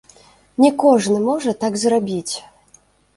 Не кожны можа так зрабіць.